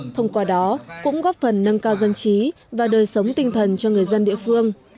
thông qua đó cũng góp phần nâng cao dân trí và đời sống tinh thần cho người dân địa phương